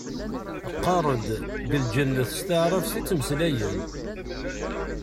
Qqaren-d deg lǧennet s taɛrabt i ttmeslayen.